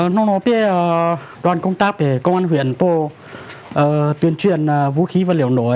tôi biết là đoàn công tác của công an huyện tôi tuyên truyền vũ khí và liều nổi